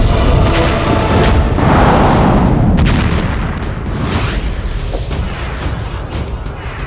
kamu bagaimana anak